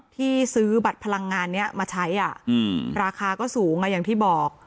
ที่ซื้อบัตรพลังงานนี้มาใช้ราคาก็สูงอย่างที่บอก